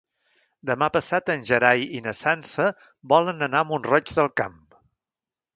Demà passat en Gerai i na Sança volen anar a Mont-roig del Camp.